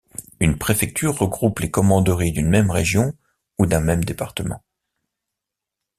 Une préfecture regroupe les commanderies d'une même région ou d'un même département.